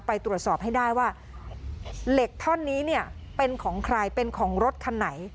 ไปตรวจสอบให้ได้ว่าเหล็กท่อนนี้เนี่ยเป็นของใครเป็นของรถคันไหน